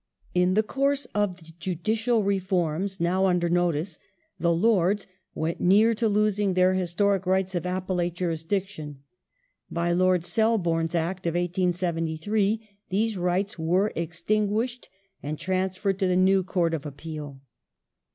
In the course of the judicial reforms now under notice the Lords went near to losing their historic rights of Appellate Jurisdiction. By Lord Selborne's Act of 1873 those rights were extinguished and transferred to the new Court of Appeal.